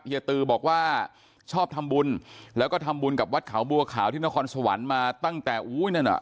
ตือบอกว่าชอบทำบุญแล้วก็ทำบุญกับวัดเขาบัวขาวที่นครสวรรค์มาตั้งแต่อุ้ยนั่นอ่ะ